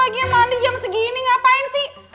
ya lo lagi yang mandi jam segini ngapain sih